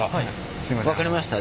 分かりました。